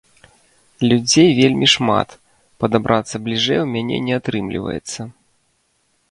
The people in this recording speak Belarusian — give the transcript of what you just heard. Людзей вельмі шмат, падабрацца бліжэй у мяне не атрымліваецца.